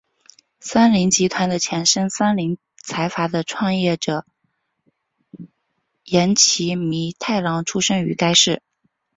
三菱集团的前身三菱财阀的创立者岩崎弥太郎出身于该市。